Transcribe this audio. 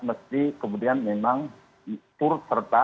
mesti kemudian memang turut serta